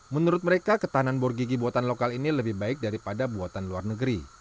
menurut mereka ketahanan bor gigi buatan lokal ini lebih baik daripada buatan luar negeri